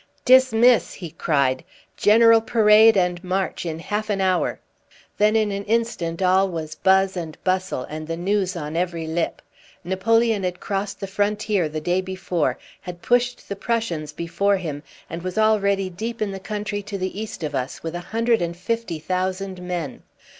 "Dismiss!" he cried. "General parade and march in half an hour." Then in an instant all was buzz and bustle, and the news on every lip. Napoleon had crossed the frontier the day before, had pushed the Prussians before him, and was already deep in the country to the east of us with a hundred and fifty thousand men.